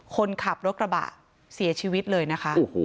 คนขับรถกระบะเสียชีวิตเลยนะคะ